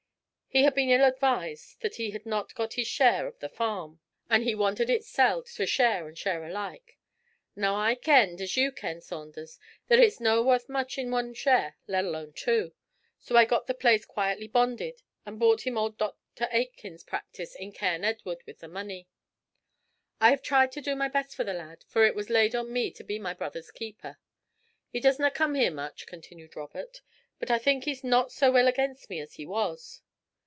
He had been ill advised that he had not got his share of the farm, and he wanted it selled to share and share alike. Now I kenned, and you ken, Saunders, that it's no' worth much in one share let alone two. So I got the place quietly bonded, and bought him old Dr. Aitkin's practice in Cairn Edward with the money. 'I have tried to do my best for the lad, for it was laid on me to be my brother's keeper. He doesna come here much,' continued Robert, 'but I think he's not so ill against me as he was.